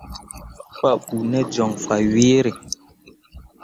Papou te joŋ fah gwǝǝre.